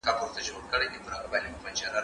کېدای سي مينه پټه وي!.